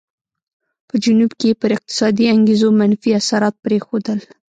په جنوب کې یې پر اقتصادي انګېزو منفي اثرات پرېښودل.